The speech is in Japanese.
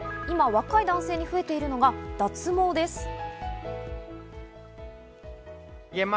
今、若い男性に増えているのが脱毛です。